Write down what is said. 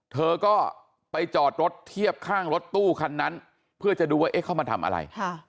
เธอก็ไปจอดรถเทียบข้างรถตู้คันนั้นเพื่อจะดูว่าเอ๊ะเข้ามาทำอะไร